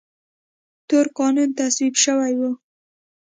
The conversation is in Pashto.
تور قانون تصویب شوی و.